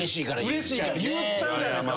うれしいから言っちゃうじゃないですか。